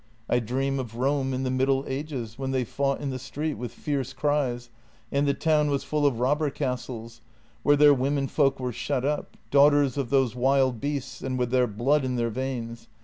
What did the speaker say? I dream of Rome in the Middle Ages, when they fought in the street with fierce cries, and the town was full of robber castles, where their womenfolk were shut up — daughters of those wild beasts and with their blood in their veins.